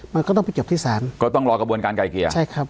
มันก็ต้องไปจบที่ศาลก็ต้องรอกระบวนการไกลเกลี่ยใช่ครับ